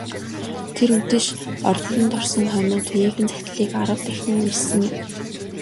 Тэр үдэш оронд орсон хойноо Туяагийн захидлыг арав дахин уншсан юм.